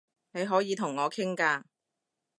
你可以同我傾㗎